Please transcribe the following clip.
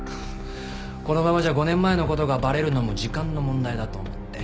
このままじゃ５年前の事がバレるのも時間の問題だと思って。